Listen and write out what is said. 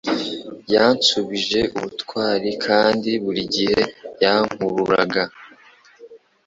yansubije ubutwari kandi buri gihe yankururaga